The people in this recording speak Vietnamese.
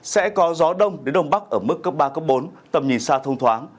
sẽ có gió đông đến đông bắc ở mức cấp ba cấp bốn tầm nhìn xa thông thoáng